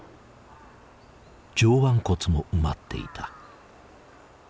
上腕骨も埋まっていた。